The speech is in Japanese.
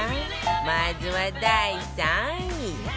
まずは第３位